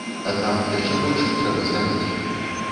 Аднак яшчэ больш трэба зрабіць.